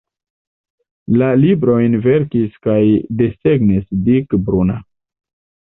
La librojn verkis kaj desegnis Dick Bruna.